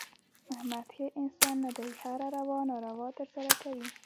احمد ښه انسان نه دی. هره روا ناروا ترسه کوي.